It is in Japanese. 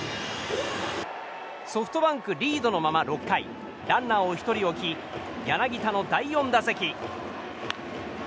ソフトバンク、リードのまま６回ランナーを１人置き柳田の第４打席。